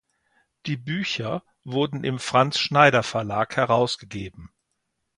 Die Bücher wurden im Franz Schneider Verlag herausgegeben.